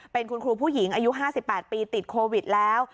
เป็นคุณครูผู้หญิงอายุ๕๘ปีติดโควิดแล้ว